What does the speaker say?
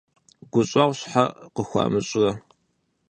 ГущӀэгъу щхьэ къыхуамыщӀрэ?